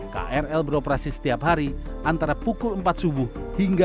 krl beroperasi setiap hari antara pukul empat subuh hingga dua puluh empat jam